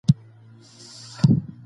د ټولني اصلاح له ځان څخه پیل کړئ.